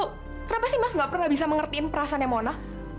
kenapa sih mas nggak pernah bisa mengertiin perasanya mona